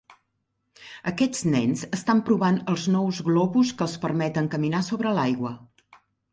Aquests nens estan provant els nous globus que els permeten caminar sobre l'aigua.